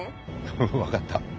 分かった。